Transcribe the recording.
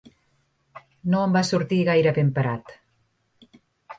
No en va sortir gaire benparat.